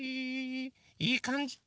いいかんじ。